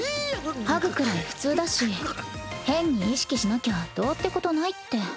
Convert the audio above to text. ハグくらい普通だし変に意識しなきゃどうってことないって。